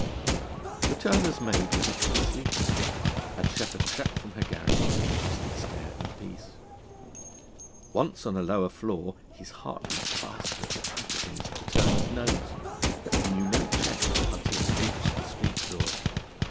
The turner's maid was a heavy sleeper, and Sheppard crept from her garret to the twisted stair in peace. Once, on a lower floor, his heart beat faster at the trumpetings of the turner's nose, but he knew no check until he reached the street door.